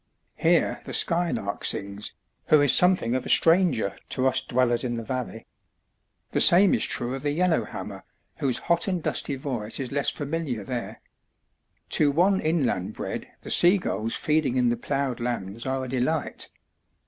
Here the skylark sings, who is something of a stranger to us dwellers in the valley. The same is true of the yellow hammer, whose hot and dusty voice is less familiar there. To one inland bred the seagulls feeding in the ploughed lands are a delight.